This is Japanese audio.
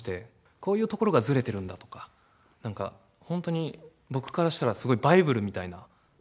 こういうところがずれてるんだとか、なんか、本当に僕からしたら、すごいバイブルみたいな。